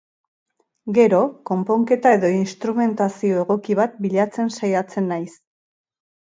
Gero, konponketa edo instrumentazio egoki bat bilatzen saiatzen naiz.